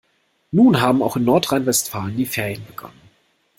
Nun haben auch in Nordrhein-Westfalen die Ferien begonnen.